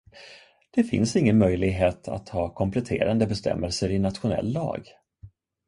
Det finns ingen möjlighet att ha kompletterande bestämmelser i nationell lag.